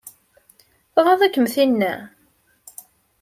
Tɣaḍ-ikem tinna?